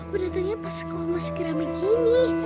aku datangnya pas sekolah masih keramik gini